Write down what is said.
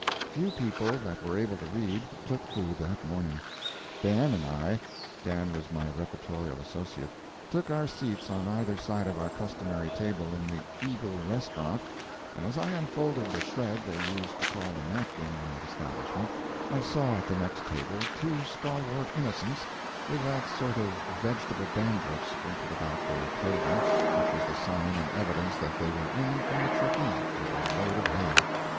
Few people that were able to read took food that morning. Dan and I (Dan was my reportorial associate) took our seats on either side of our customary table in the "Eagle Restaurant," and, as I unfolded the shred they used to call a napkin in that establishment, I saw at the next table two stalwart innocents with that sort of vegetable dandruff sprinkled about their clothing which was the sign and evidence that they were in from the Truckee with a load of hay.